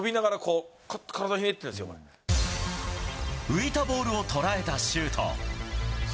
浮いたボールを捉えたシュート。